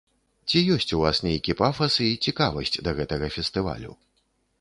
Ці ёсць у вас нейкі пафас і цікавасць да гэтага фестывалю?